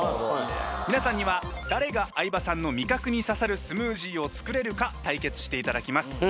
皆さんには誰が相葉さんの味覚に刺さるスムージーを作れるか対決していただきます。